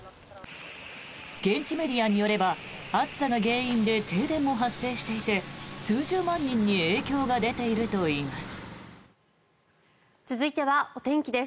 現地メディアによれば暑さが原因で停電も発生していて数十万人に影響が出ているといいます。